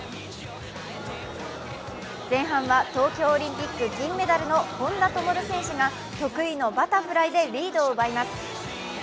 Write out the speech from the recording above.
前半は東京オリンピック銀メダルの本多灯選手が得意のバタフライでリードを奪います。